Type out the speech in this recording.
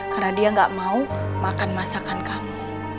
karena dia gak mau makan masakan kamu